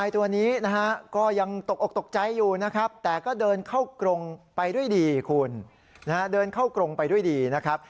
ด้วยดีคุณเดินเข้ากรงไปด้วยดีนะครับ